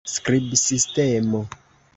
skribsistemo